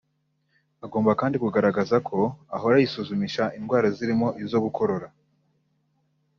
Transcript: Agomba kandi kugaragaza ko ahora yisuzumisha indwara zirimo izo gukorora